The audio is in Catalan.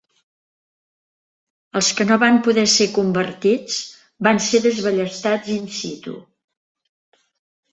Els que no van poder ser convertits van ser desballestats in situ.